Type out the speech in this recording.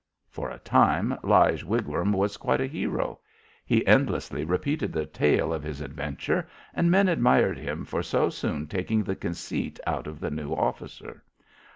For a time Lige Wigram was quite a hero. He endlessly repeated the tale of his adventure, and men admired him for so soon taking the conceit out of the new officer.